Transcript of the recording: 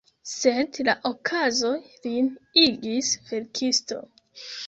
Sed la okazoj lin igis verkisto.